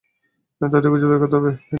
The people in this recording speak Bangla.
তাদের খুঁজে বের করতে হবে, তাই না?